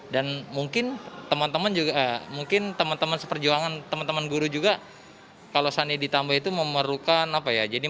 dan mungkin teman teman seperjuangan teman teman guru juga kalau sani ditambah itu memerlukan apa ya